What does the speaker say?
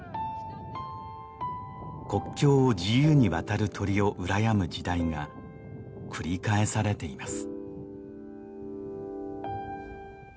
国境を自由にわたる鳥をうらやむ時代が繰り返されています